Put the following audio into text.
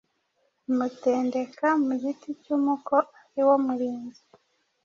imutendeka mu giti cy’umuko ari wo murinzi.